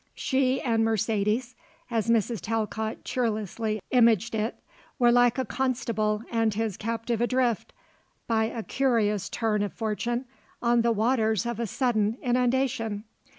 She and Mercedes, as Mrs. Talcott cheerlessly imaged it, were like a constable and his captive adrift, by a curious turn of fortune, on the waters of a sudden inundation.